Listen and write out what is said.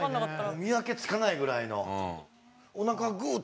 見分けつかないぐらいの。